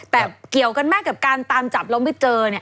แต่เกี่ยวกันมากกับการตามจับแล้วไม่เจอเนี่ย